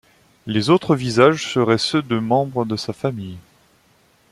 Les autres visages seraient ceux de membres de sa famille.